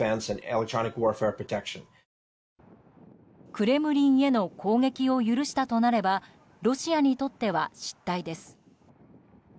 クレムリンへの攻撃を許したとなればロシアにとっては失態です。